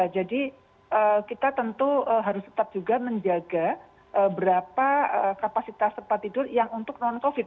jadi kita tentu harus tetap juga menjaga berapa kapasitas tempat tidur yang untuk non covid